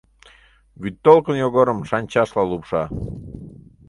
Вӱдтолкын Йогорым шанчашла лупша.